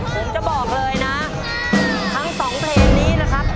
ผมจะบอกเลยนะทั้งสองเพลงนี้นะครับ